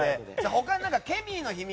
他にケミーの秘密